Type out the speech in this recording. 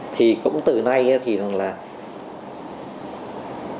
thì cũng từ nay nhà ở xã hội thuê nó rẻ như tôi nói ban đầu